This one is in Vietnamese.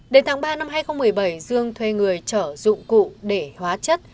để thẳng ba năm hai nghìn một mươi bảy dương thuê người trở dụng cụ để hóa chất